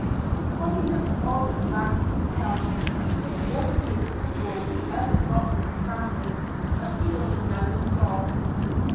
The collie looked on and wagged his tail. It was all the approval we ever got from the family, but he was a knowing dog.